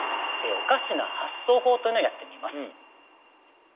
「おかしな発想法」というのをやってみます。